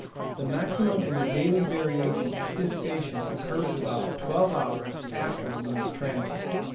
The maximum in the daily variation at this station occurs about 1 2^ after the moon's transit.